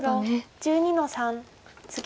黒１２の三ツギ。